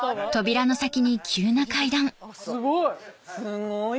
すごい！